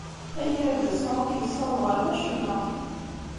Agerdas-a ur k-yessawaḍ ɣer wacemma.